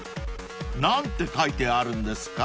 ［何て書いてあるんですか？］